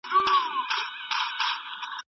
زموږ هېواد د ډیپلوماتیکو اړیکو د خرابېدو پلوی نه دی.